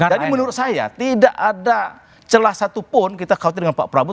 jadi menurut saya tidak ada celah satupun kita khawatir dengan pak prabowo